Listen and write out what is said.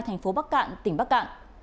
tp bắc cạn tỉnh bắc cạn